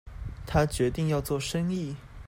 他決定要做生意